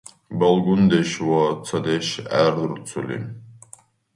Балгундеш ва цадеш гӏердурцули